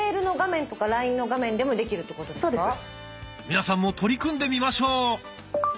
皆さんも取り組んでみましょう。